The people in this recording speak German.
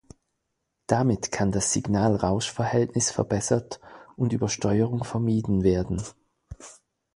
Damit kann das Signal-Rausch-Verhältnis verbessert und Übersteuerung vermieden werden.